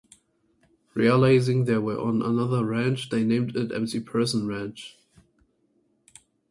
Realising they were on another range they named it the McPherson Range.